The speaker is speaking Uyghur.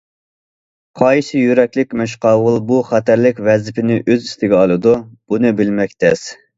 قايسى يۈرەكلىك مەشقاۋۇل بۇ خەتەرلىك ۋەزىپىنى ئۆز ئۈستىگە ئالىدۇ، بۇنى بىلمەك تەس.